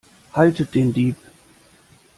Haltet den Dieb!